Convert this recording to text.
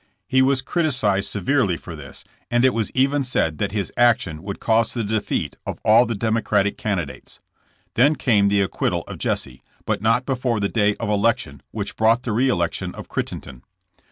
He was criticised severely for this, and it was even said that his action would cause the defeat of all the democratic candidates. Then came the acquittal of Jesse, but not before the day of election which brought the re election of Crittenden.